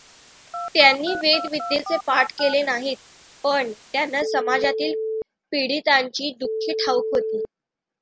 त्यांनी वेद विद्येचे पाठ केले नाहीत, पण त्यांना समाजातील पीडितांची दुःखे ठाऊक होती.